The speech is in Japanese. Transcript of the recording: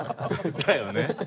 だよね。